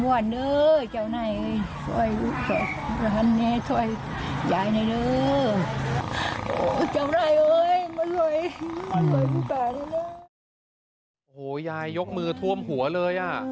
โอ้โหยายยกมือท่วมหัวเลยอ่ะ